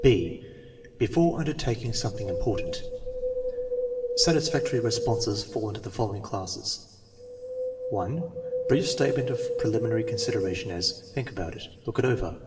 '" (b) Before undertaking something important Satisfactory responses fall into the following classes: (1) Brief statement of preliminary consideration; as: "Think about it." "Look it over."